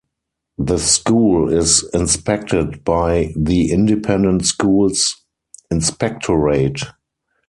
The School is inspected by the Independent Schools Inspectorate.